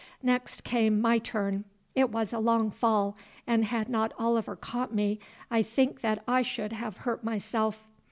Next came my turn. It was a long fall, and had not Oliver caught me I think that I should have hurt myself.